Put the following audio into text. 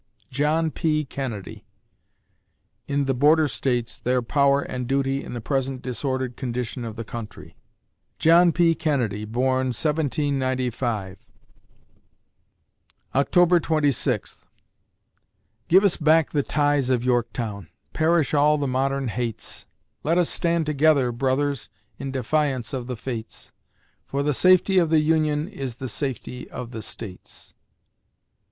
JOHN P. KENNEDY (In "The Border States their Power and Duty in the Present Disordered Condition of the Country") John P. Kennedy born, 1795 October Twenty Sixth Give us back the ties of Yorktown! Perish all the modern hates! Let us stand together, brothers, In defiance of the Fates; For the safety of the Union Is the safety of the States!